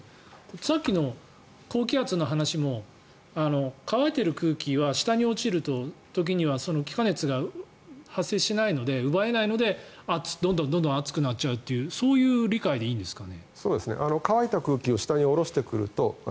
さっきの高気圧の話も乾いている空気は下に落ちる時には気化熱が発生しないので奪えないのでどんどん熱くなっちゃうという理解でいいんですか？